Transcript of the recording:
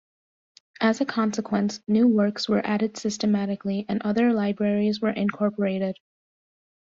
As a consequence, new works were added systematically, and other libraries were incorporated.